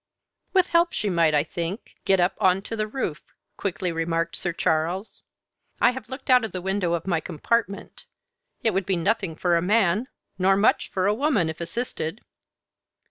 "With help she might, I think, get up on to the roof," quickly remarked Sir Charles. "I have looked out of the window of my compartment. It would be nothing for a man, nor much for a woman if assisted."